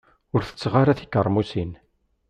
Ur tetteɣ ara tikermusin.